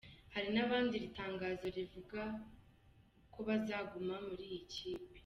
Hari n’abandi iri tangazo rivuga ko bazaguma muri iyi kipe.